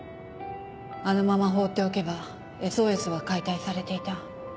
あのまま放っておけば「ＳＯＳ」は解体されていた。